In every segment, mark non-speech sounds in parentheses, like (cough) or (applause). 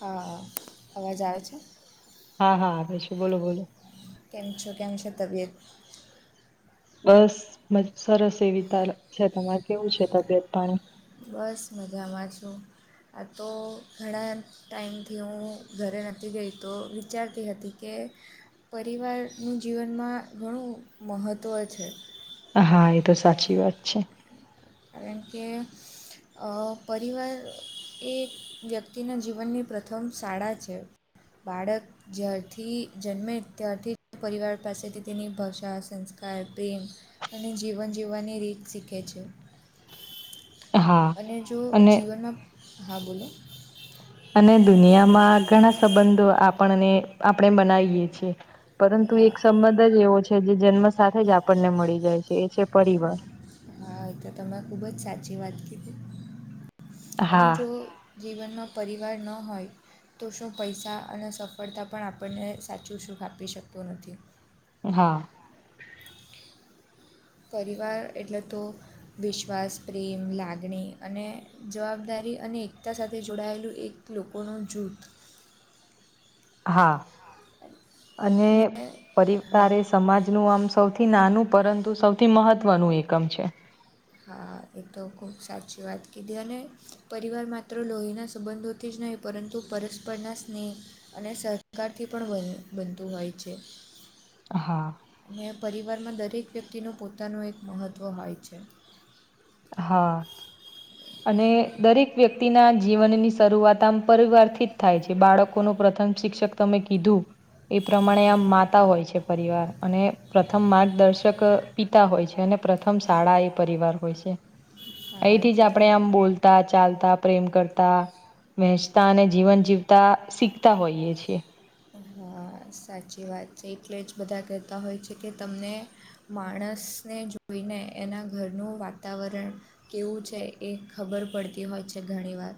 હા હા અવાજ આવે છે. હા હા આપશું બોલો બોલો કેમ છું કેમ છ તબિયત બસ મ સરસ એવી છે તમારે કેવું છે તબિયત પાણી બસ મજામાં છું આ તો ઘણા ટાઈમથી હું ઘરે નથી ગઈ તો વિચારતી હતી કે પરિવારનું જીવનમાં ઘણું મહત્ત્વ છે. હા એ તો સાચી વાત છે. કારણ કે પરિવાર એ વ્યક્તિના જીવનની પ્રથમ શાળા છે બાળક જ્યારથી જન્મે ત્યારથી પરિવાર પાસેથી તેની ભાષા સંસ્કાર પ્રેમ અને જીવન જીવવાની રીત શીખે છે. હા અને જો અને જીવનમાં હા બોલો અને દુનિયામાં ઘણા સંબંધો આપણને આપણે બનાવીએ છીએ પરંતુ હા એક સંબંધ જ એવો છે જે જન્મ સાથે જ આપણને મળી જાય છે એ છે પરિવાર. હા એ તો તમે ખૂબ જ સાચી વાત કીધી અને હા જો જીવનમાં પરિવાર ન હોય તો શું પૈસા અને સફળતા પણ આપણને સાચું સુખ આપી શકતું નથી. હા પરિવાર એટલે તો વિશ્વાસ પ્રેમ લાગણી અને જવાબદારી અને એકતા સાથે જોડાયેલું એક લોકોનો જૂથ હા અને હા પરિવારે સમાજનું આમ સૌથી નાનું પરંતુ સૌથી મહત્વનું એકમ છે. હા એ તો ખુબ સાચી વાત કીધી અને પરિવાર માત્ર લોહીના સંબંધો થી જ નહીં પરંતુ પરસ્પરના સ્નેહ અને સહકારથી પણ બને બનતું હોય છે. હા અને પરિવારમાં દરેક વ્યક્તિનું પોતાનું એક મહત્વ હોય છે. હા (inaudible) અને દરેક વ્યક્તિના જીવનની શરૂઆત આમ પરિવારથી જ થાય છે બાળકોનું પ્રથમ શિક્ષક તમે કીધું એ પ્રમાણે હા આમ માતા હોય છે પરિવાર અને પ્રથમ માર્ગદર્શક પિતા હોય છે અને પ્રથમ શાળા એ પરિવાર હોય છે. હા અહીથી જ આપડે આમ એટલે બોલતા ચાલતા પ્રેમ કરતા. વહેંચતા અને જીવન જીવતા શીખતા હોઈએ છીએ. હા સાચી વાત છે એટલે જ બધાં કહેતા હોય છે કે તમને માણસને જોઈને એના ઘરનું વાતાવરણ કેવું છે એ ખબર પડતી હોય છે ઘણીવાર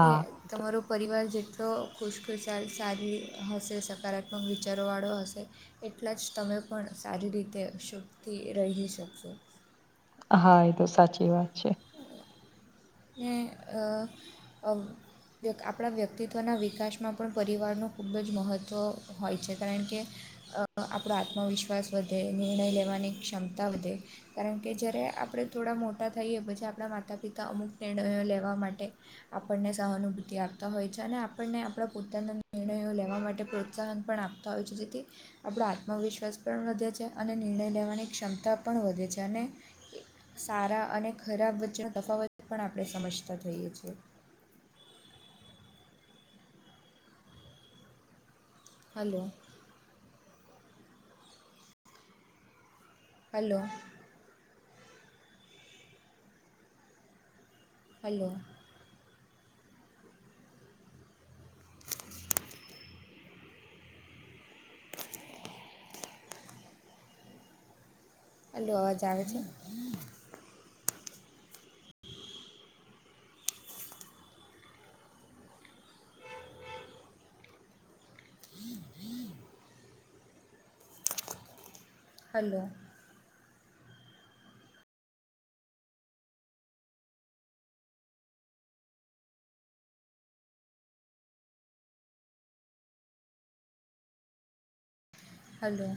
કે તમારો પરિવાર જેટલો ખુશખુશાલ સારી હશે સકારાત્મક વિચારોવાળો હશે. એટલા જ તમે પણ સારી રીતે શુભથી રહી શકશો. હા એ તો સાચી વાત છે. અ અ આપડા વ્યક્તિત્વના વિકાસમાં પણ પરિવારનું ખૂબ જ મહત્ત્વ હોય છે કારણ કે અ આપડો આત્મવિશ્વાસ વધે નિર્ણય લેવાની ક્ષમતા વધે. કારણ કે જ્યારે આપડે થોડા મોટા થઈએ પછી આપડા માતા પિતા અમુક નિર્ણયો લેવા માટે આપનને સહાનુભૂતિ આપતા હોય છે અને આપણને આપડા પોતાના નિર્ણયો લેવા માટે પ્રોત્સાહન પણ આપ તા હોય છે જેથી આપડો આત્મવિશ્વાસ પણ વધે છે અને નિર્ણય લેવાની ક્ષમતા પણ વધે છે અને સારા અને ખરાબ વચ્ચેનો તફાવત પણ આપડે સમજતા થઈએ છે હલો હલો હલો (inaudible) હલો આવાજ આવે છે hello hello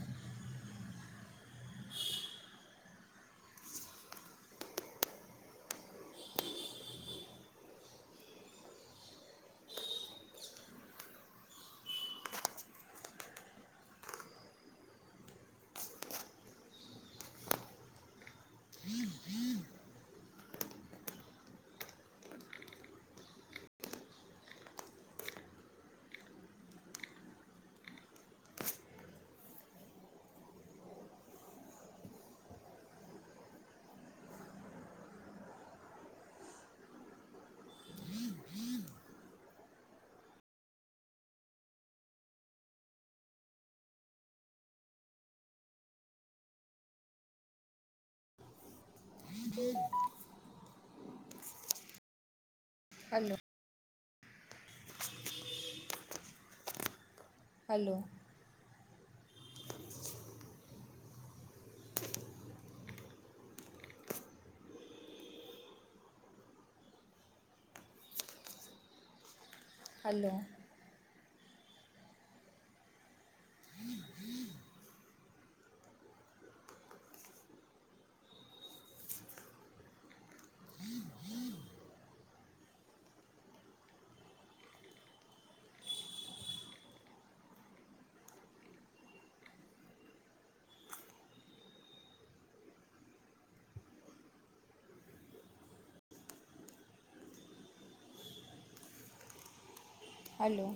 (inaudible) hello hello hello hello